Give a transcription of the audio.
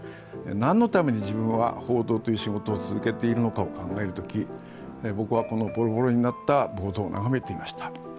何のために自分は、この報道という仕事を続けているのかを考えるとき僕は僕はこのボロボロになったボードをながめていました。